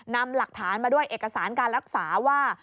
นำหลักฐานมาด้วยเอกสารการรักษาว่า